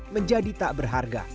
menjadi tak berharga